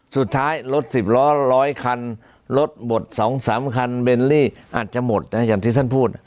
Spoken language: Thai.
สุดท้ายรถสิบล้อร้อยคันรถหมด๒๓คันเบลลี่อาจจะหมดนะอย่างที่ท่านพูด